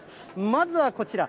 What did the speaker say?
まずはこちら。